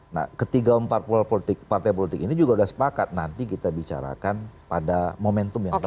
nah ketiga empat partai politik ini juga sudah sepakat nanti kita bicarakan pada momentum yang lain